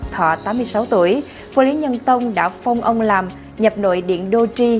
thọ tám mươi sáu tuổi vua lý nhân tông đã phong ông làm nhập nội điện đô tri